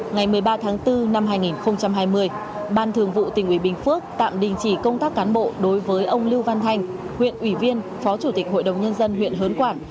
ngày một mươi ba tháng bốn năm hai nghìn hai mươi ban thường vụ tỉnh ủy bình phước tạm đình chỉ công tác cán bộ đối với ông lưu văn thanh huyện ủy viên phó chủ tịch hội đồng nhân dân huyện hớn quản